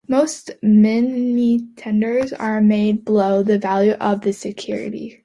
Most mini-tenders are made below the value of the security.